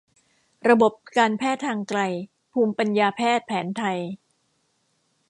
ระบบการแพทย์ทางไกล ภูมิปัญญาแพทย์แผนไทย